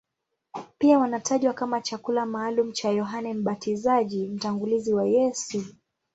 Pia wanatajwa kama chakula maalumu cha Yohane Mbatizaji, mtangulizi wa Yesu.